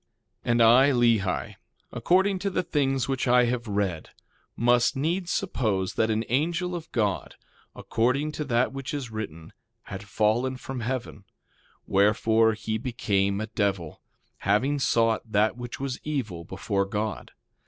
2:17 And I, Lehi, according to the things which I have read, must needs suppose that an angel of God, according to that which is written, had fallen from heaven; wherefore, he became a devil, having sought that which was evil before God.